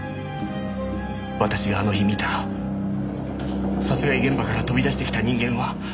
私があの日見た殺害現場から飛び出してきた人間は。